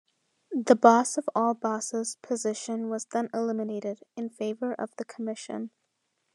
The boss of all bosses position was then eliminated, in favor of The Commission.